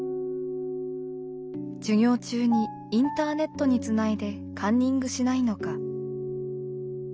授業中にインターネットにつないでカンニングしないのか。